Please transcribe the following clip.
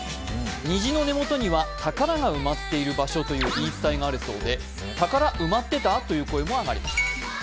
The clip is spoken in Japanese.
虹の根元には宝が埋まっている場所という言い伝えもあるそうで、宝埋まってた？という声もありました。